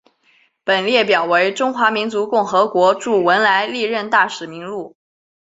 本列表为中华人民共和国驻文莱历任大使名录。